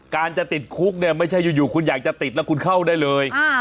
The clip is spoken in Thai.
การจะติดคุกเนี่ยไม่ใช่อยู่คุณอยากจะติดแล้วคุณเข้าได้เลย